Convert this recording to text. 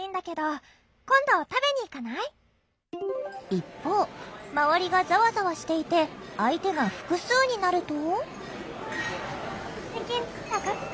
一方周りがザワザワしていて相手が複数になると。